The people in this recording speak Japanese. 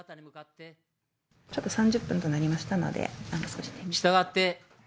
ちょっと、３０分となりましたので。